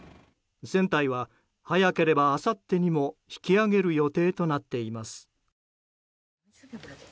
船体は早ければあさってにも引き揚げる予定となっています。